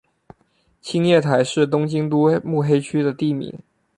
青叶台是东京都目黑区的地名。